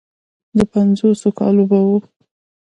د پينځوسو کالو به و.